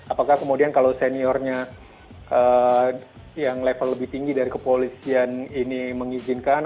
apakah kemudian kalau seniornya yang level lebih tinggi dari kepolisian ini mengizinkan